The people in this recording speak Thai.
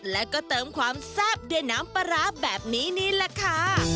แล้วก็เติมความแซ่บด้วยน้ำปลาร้าแบบนี้นี่แหละค่ะ